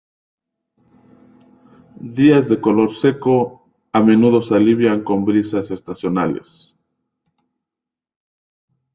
Los días de calor seco a menudo se alivian con brisas estacionales.